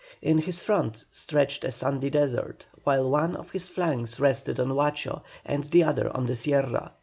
In his front stretched a sandy desert, while one of his flanks rested on Huacho, and the other on the Sierra.